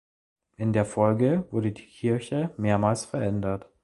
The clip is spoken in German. In der Folge wurde die Kirche mehrmals verändert.